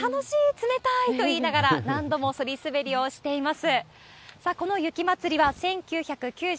冷たい！と言いながら、何度もそり滑りをしています。